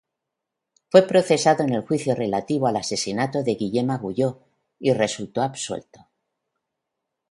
Fue procesado en el juicio relativo al asesinato de Guillem Agulló, y resultó absuelto.